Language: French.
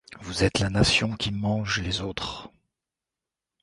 Vous êtes la nation qui mange les autres.